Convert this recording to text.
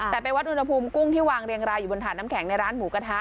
แต่ไปวัดอุณหภูมิกุ้งที่วางเรียงรายอยู่บนถาดน้ำแข็งในร้านหมูกระทะ